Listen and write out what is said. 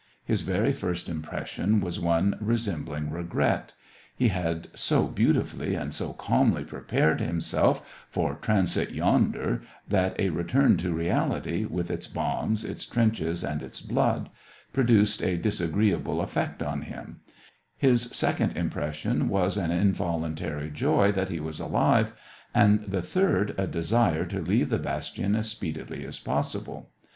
His very first impression was one re SEVASTOPOL IN MAY. IO5 s sembling regret ; he had so beautifully and so calmly prepared himself for transit yonder that a return to reality, with its bombs, its trenches, and its blood, produced a disagreeable effect on him ; his second impression was an involuntary joy that he was alive, and the third a desire to leave the bastion as speedily as possible.